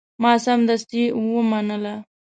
ما سمدستي ومنله.